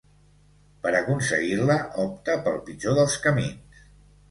Per aconseguir-la, opta pel pitjor dels camins.